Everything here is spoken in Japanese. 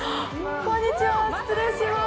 こんにちは失礼します。